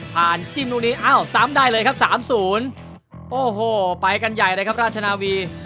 จิ้มลูกนี้อ้าวซ้ำได้เลยครับ๓๐โอ้โหไปกันใหญ่เลยครับราชนาวี